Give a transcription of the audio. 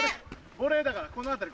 ボレーだからこの辺り。